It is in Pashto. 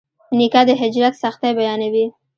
نیکه د هجرت سختۍ بیانوي.